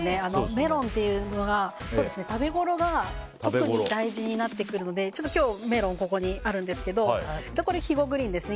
メロンというのが、食べごろが特に大事になってくるので今日、メロンここにあるんですが肥後グリーンですね。